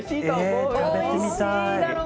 え食べてみたい。